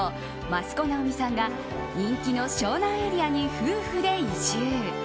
益子直美さんが人気の湘南エリアに夫婦で移住。